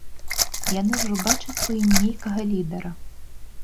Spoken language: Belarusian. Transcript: Яны ўжо бачаць у ім нейкага лідара.